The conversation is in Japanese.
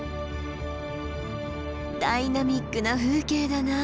ダイナミックな風景だなぁ。